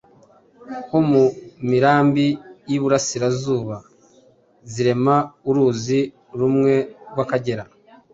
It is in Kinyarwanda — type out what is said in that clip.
ho mu mirambi y’iBurasirazuba zirema uruzi rumwe rw’Akagera.